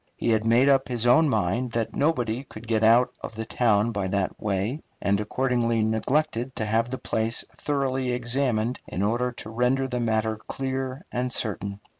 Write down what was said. He had made up his own mind that nobody could get out of the town by that way, and accordingly neglected to have the place thoroughly examined in order to render the matter clear and certain.